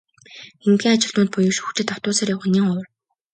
Эндэхийн ажилтнууд буюу шүүгчид автобусаар явах нь нэн ховор.